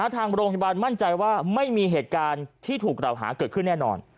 ทางโรงพยาบาลมั่นใจว่าไม่มีเหตุการณ์ที่ถูกกล่าวหาเกิดขึ้นแน่นอน